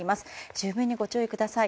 十分にご注意ください。